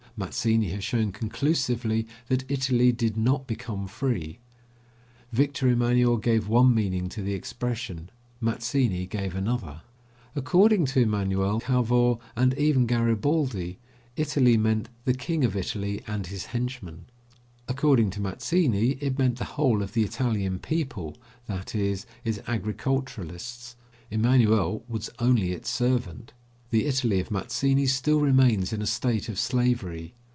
Mazzini has shown conclusively that Italy did not become free. Victor Emanuel gave one meaning to the expression; Mazzini gave another. According to Emanuel, Cavour, and even Garibaldi, Italy meant the King of Italy and his henchmen. According to Mazzini, it meant the whole of the Italian people, that is, its agriculturists. Emanuel was only its servant. The Italy of Mazzini still remains in a state of slavery.